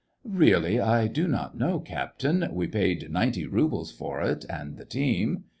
" Really, I do not know, captain ; we paid ninety rubles for it and the team.